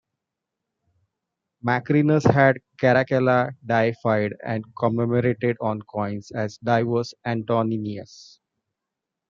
Macrinus had Caracalla deified and commemorated on coins as "Divus Antoninus".